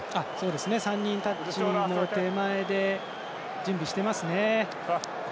３人、タッチの手前で準備してますね。